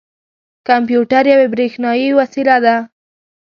کمپیوټر یوه بریښنايې وسیله ده.